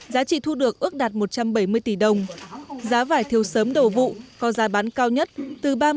giá trị thu được ước đạt một trăm bảy mươi tỷ đồng giá vải thiều sớm đầu vụ có giá bán cao nhất từ ba mươi bốn mươi năm